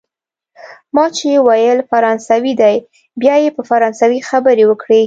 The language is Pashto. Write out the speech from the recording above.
ما چي ویل فرانسوی دی، بیا یې په فرانسوي خبرې وکړې.